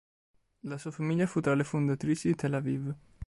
La sua famiglia fu tra le fondatrici di Tel Aviv.